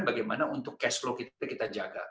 bagaimana untuk cash flow kita kita jaga